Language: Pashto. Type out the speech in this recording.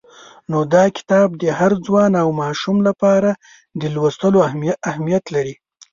نو دا کتاب د هر ځوان او ماشوم لپاره د لوستلو اهمیت لري.